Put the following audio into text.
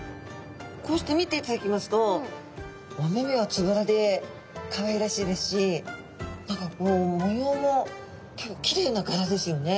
こうして見ていただきますとお目々はつぶらでかわいらしいですし何かこう模様も結構きれいながらですよね。